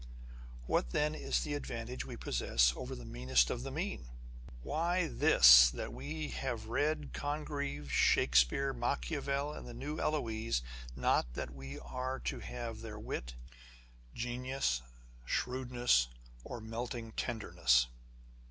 What then is the advantage we possess over the meanest of the mean ? Why this, that we have read Congreve, Shakspeare, Machiavel, the New Eloise; â€" not that we are to have their wit, genius, shrewdness, or melting tenderness.